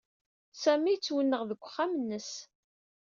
Sami yettwenɣ deg uxxam-nnes.